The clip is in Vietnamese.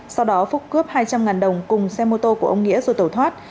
sau đó phúc cướp hai trăm linh đồng cùng xe mô tô của ông nghĩa rồi tẩu thoát